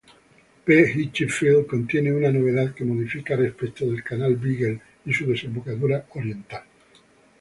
P. Hitchfield, contiene una novedad que modifica respecto del canal Beagle y su desembocadura oriental.